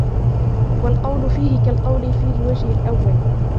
وَالْقَوْلُ فِيهِ كَالْقَوْلِ فِي الْوَجْهِ الْأَوَّلِ